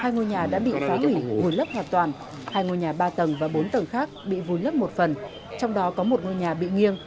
hai ngôi nhà đã bị phá hủy vùi lấp hoàn toàn